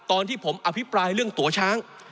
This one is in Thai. ตอนที่ผมอภิปรายเรื่องตัวช้าง